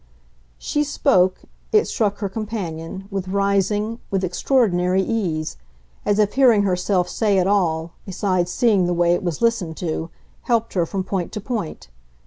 She spoke, it struck her companion, with rising, with extraordinary ease; as if hearing herself say it all, besides seeing the way it was listened to, helped her from point to point.